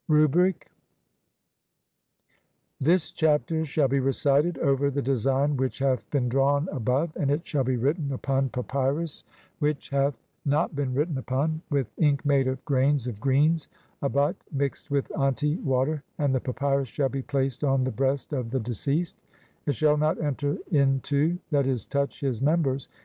Rubric : [this chapter] shall be recited over the design which HATH BEEN DRAWN ABOVE, AND IT SHALL BE WRITTEN UPON PAPYRUS II 102 THE CHAPTERS OF COMING FORTH BY DAY. (10) WHICH HATH NOT BEEN WRITTEN DPON, WITH [INK MADE OF] GRAINS OF GREEN ABUT MIXED WITH ANTI WATER, AND THE PAPYRUS SHALL BE PLACED ON THE BREAST (11) OF THE DECEASED ; IT SHALL NOT ENTER IN TO (/. E., TOUCH) HIS MEMBERS.